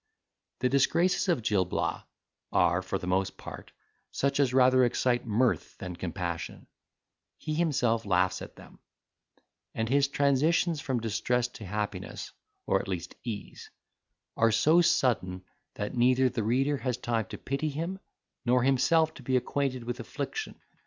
The disgraces of Gil Blas are, for the most part, such as rather excite mirth than compassion; he himself laughs at them; and his transitions from distress to happiness, or at least ease, are so sudden, that neither the reader has time to pity him, nor himself to be acquainted with affliction.